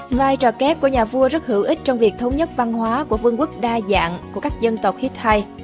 ngoài trò kép của nhà vua rất hữu ích trong việc thống nhất văn hóa của vương quốc đa dạng của các dân tộc hittite